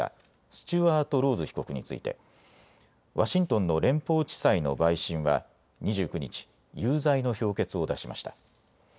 スチュワート・ローズ被告についてワシントンの連邦地裁の陪審は２９日、有罪の評決を出しました。